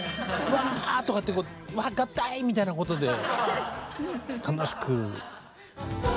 わあとかってこうわあ合体みたいなことで楽しく。